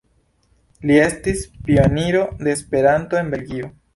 Li estis pioniro de Esperanto en Belgio.